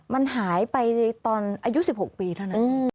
มันหายไปตอนอายุ๑๖ปีเท่านั้น